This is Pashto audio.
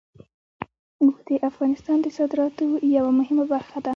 اوښ د افغانستان د صادراتو یوه مهمه برخه ده.